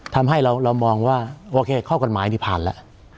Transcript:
ทำให้เรามองว่าโอเคข้อกฎหมายนี่ผ่านแล้ว